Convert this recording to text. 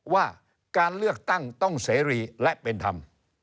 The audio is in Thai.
ว่าการเลือกตั้งต้องเสรีและเป็นธรรม